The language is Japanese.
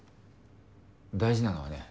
大事なのはね